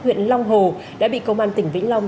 huyện long hồ đã bị công an tỉnh vĩnh long